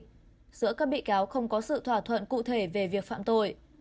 trong các bị cáo không có sự thỏa thuận cụ thể về việc phạm tội